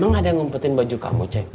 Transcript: emang ada yang ngumpetin baju kamu cek